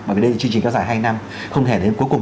bởi vì đây là chương trình kéo dài hai năm không thể đến cuối cùng